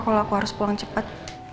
kalau aku harus pulang cepat